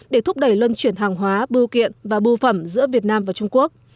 để thúc đẩy lân chuyển hàng hóa bưu kiện và bưu phẩm giữa việt nam và trung quốc